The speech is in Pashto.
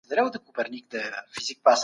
آيا فرد په خپله ټولنه اغېزه کولای سي؟